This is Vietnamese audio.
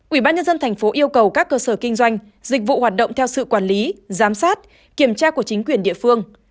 ubnd tp yêu cầu các cơ sở kinh doanh dịch vụ hoạt động theo sự quản lý giám sát kiểm tra của chính quyền địa phương